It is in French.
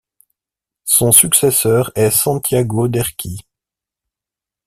Son successeur est Santiago Derqui.